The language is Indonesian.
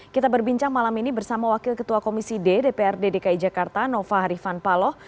kita berbincang malam ini bersama wakil ketua komisi d dprd dki jakarta nova harifan paloh